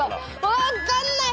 分っかんない！